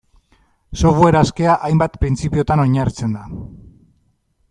Software askea, hainbat printzipiotan oinarritzen da.